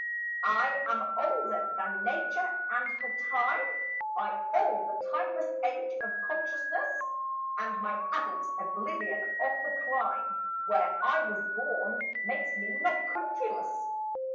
I am older than Nature and her Time By all the timeless age of Consciousness, And my adult oblivion of the clime Where I was born makes me not countryless.